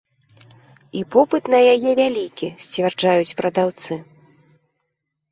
І попыт на яе вялікі, сцвярджаюць прадаўцы.